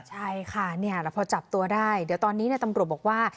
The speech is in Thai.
ใช่ค่ะแล้วพอจับตัวได้เดี๋ยวตอนนี้ตำรวจบอกว่า